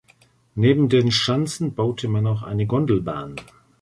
Neben den Schanzen baute man auch eine Gondelbahn.